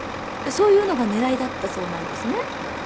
そういうのが狙いだったそうなんですね。